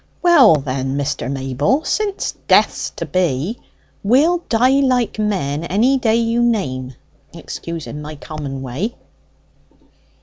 "Well then, Mr. Mayble, since death's to be, we'll die like men any day you name (excusing my common way)."